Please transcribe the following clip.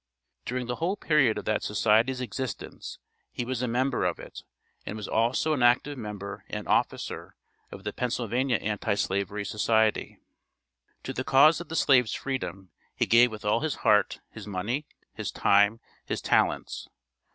During the whole period of that Society's existence he was a member of it; and was also an active member and officer of The Pennsylvania Anti slavery Society. To the cause of the slave's freedom he gave with all his heart his money, his time, his talents.